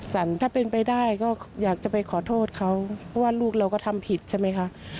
ถ้าเป็นไปได้ก็อยากจะไปขอโทษเขาเพราะว่าลูกเราก็ทำผิดใช่ไหมคะ